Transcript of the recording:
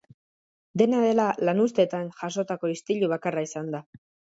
Dena dela, lanuzteetan jazotako istilu bakarra izan da.